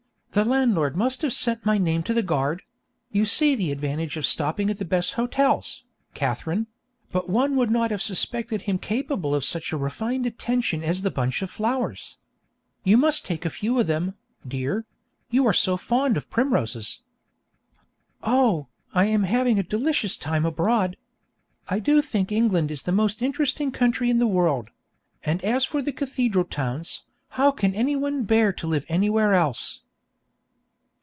'The landlord must have sent my name to the guard you see the advantage of stopping at the best hotels, Katharine but one would not have suspected him capable of such a refined attention as the bunch of flowers. You must take a few of them, dear; you are so fond of primroses.' Oh! I am having a delicious time abroad! I do think England is the most interesting country in the world; and as for the cathedral towns, how can anyone bear to live anywhere else?